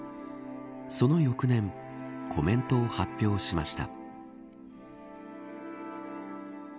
その翌年コメントを発表しました。